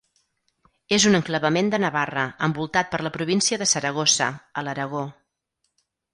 És un enclavament de Navarra, envoltat per la província de Saragossa, a l'Aragó.